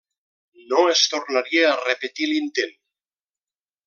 No es tornaria a repetir l'intent.